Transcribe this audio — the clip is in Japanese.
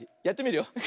やってみるよ。